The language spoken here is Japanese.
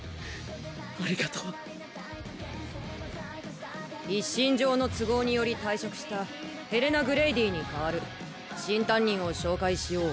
ありがとう一身上の都合により退職したヘレナ＝グレイディに代わる新担任を紹介しよう